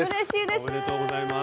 おめでとうございます。